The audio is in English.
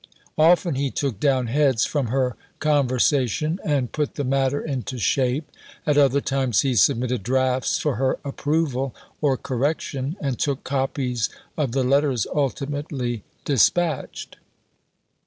Often he took down heads from her conversation, and put the matter into shape; at other times he submitted drafts for her approval or correction, and took copies of the letters ultimately dispatched.